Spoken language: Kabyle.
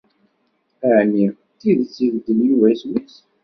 Ɛni d tidet ibeddel Yuba isem-is?